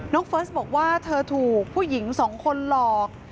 เฟิร์สบอกว่าเธอถูกผู้หญิงสองคนหลอก